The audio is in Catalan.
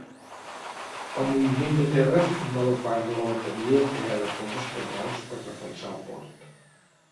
El moviment de terres formava part de la bateria creada pels espanyols per defensar el port.